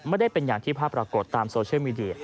ไม่ได้เป็นอย่างที่ภาพปรากฏตามโซเชียลมีเดีย